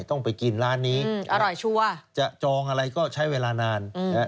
ต้องไปกินร้านนี้จะจองอะไรก็ใช้เวลานานอร่อยชัวร์